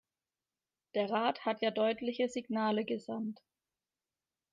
Der Rat hat ja deutliche Signale gesandt.